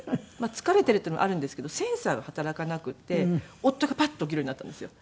疲れているっていうのもあるんですけどセンサーが働かなくて夫がパッと起きるようになったんですよ。